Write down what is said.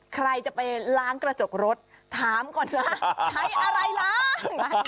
ใครจะไปล้างกระจกรถถามก่อนนะใช้อะไรล้าง